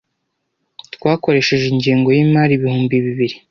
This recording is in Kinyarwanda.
Twakoresheje ingengo yimari ibihumbi bibiri.